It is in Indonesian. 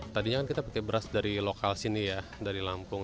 tadinya kan kita pakai beras dari lokal sini ya dari lampung